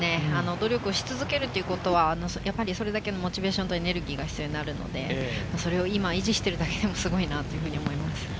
努力し続けることはそれだけのモチベーションとエネルギーが必要になるので、それを今、維持しているだけでもすごいなと思います。